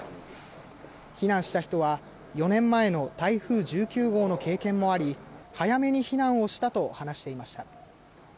避難した人は４年前の台風１９号の経験もあり早めに避難したと話していました。